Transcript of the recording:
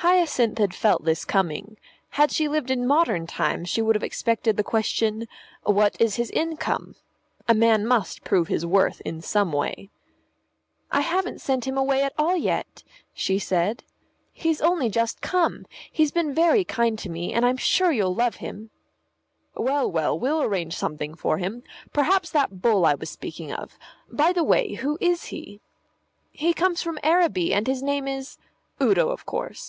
Hyacinth had felt this coming. Had she lived in modern times she would have expected the question, "What is his income?" A man must prove his worth in some way. "I haven't sent him away at all yet," she said; "he's only just come. He's been very kind to me, and I'm sure you'll love him." "Well, well, we'll arrange something for him. Perhaps that bull I was speaking of By the way, who is he?" "He comes from Araby, and his name is " "Udo, of course.